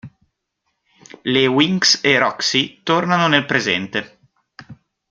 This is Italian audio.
Le Winx e Roxy tornano nel presente.